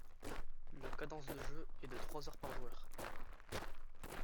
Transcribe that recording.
La cadence de jeu est de trois heures par joueur.